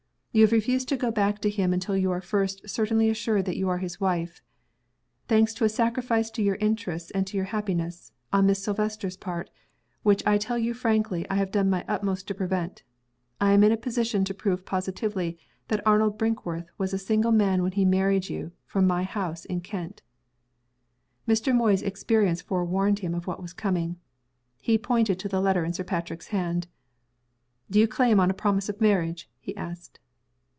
You have refused to go back to him until you are first certainly assured that you are his wife. Thanks to a sacrifice to your interests and your happiness, on Miss Silvester's part which I tell you frankly I have done my utmost to prevent I am in a position to prove positively that Arnold Brinkworth was a single man when he married you from my house in Kent." Mr. Moy's experience forewarned him of what was coming. He pointed to the letter in Sir Patrick's hand. "Do you claim on a promise of marriage?" he asked.